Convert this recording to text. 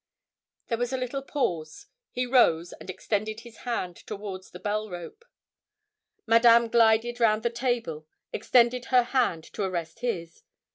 There was a little pause. He rose and extended his hand towards the bell rope. Madame glided round the table, extended her hand to arrest his.